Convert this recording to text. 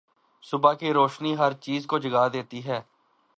صبح کی روشنی ہر چیز کو جگا دیتی ہے۔